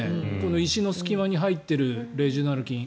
石の隙間に入っているレジオネラ菌。